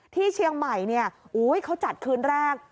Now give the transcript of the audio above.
ที่เชียงใหม่เนี่ยโอ้โหเขาจัดคืนแรก